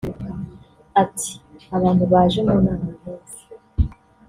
Ati “Abantu baje mu nama nk’izi